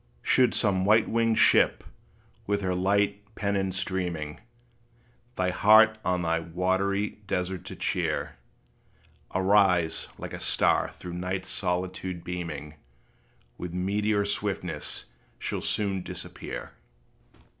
Should some white winged ship, with her light pennon streaming, Thy heart on that wide watery desert to cheer, Arise, like a star through night's solitude beaming, With meteor swiftness she 'll soon disappear.